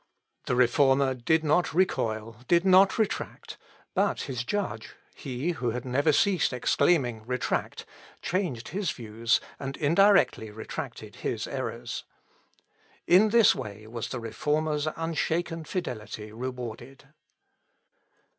The Reformer did not recoil, did not retract; but his judge, he who never ceased exclaiming, Retract! changed his views, and indirectly retracted his errors. In this way was the Reformer's unshaken fidelity rewarded.